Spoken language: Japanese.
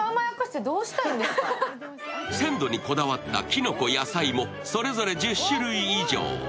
鮮度にこだわったきのこ、野菜もそれぞれ１０種類以上。